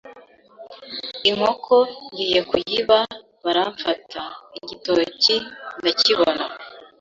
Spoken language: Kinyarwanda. inkoko ngiye kuyiba baramfata, igitoki ndakibona